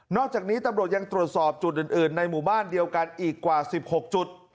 อกจากนี้ตำรวจยังตรวจสอบจุดอื่นในหมู่บ้านเดียวกันอีกกว่า๑๖จุด